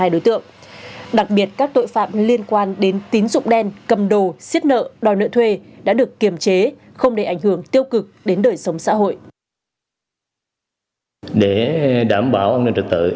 để đảm bảo an ninh trật tự